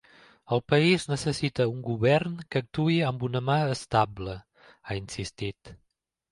“El país necessita un govern que actuï amb una mà estable”, ha insistit.